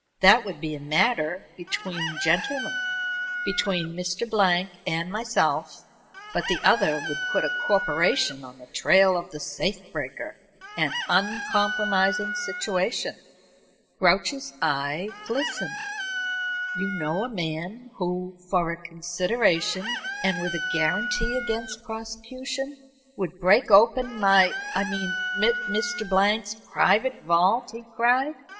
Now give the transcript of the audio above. That would be a matter between gentlemen, between Mr. Blank and myself, but the other would put a corporation on the trail of the safe breaker an uncompromising situation." Grouch's eye glistened. "You know a man who, for a consideration and with a guarantee against prosecution, would break open my I mean Mr. Blank's private vault?" he cried.